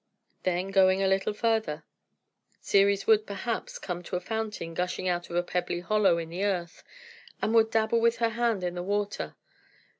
Then, going a little farther, Ceres would, perhaps, come to a fountain gushing out of a pebbly hollow in the earth, and would dabble with her hand in the water.